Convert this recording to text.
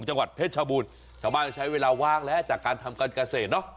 จังหวัดเพชรชบูรณ์ชาวบ้านใช้เวลาว่างแล้วจากการทำการเกษตรเนอะ